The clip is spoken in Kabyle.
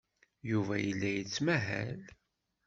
Yuba yella yettmahal.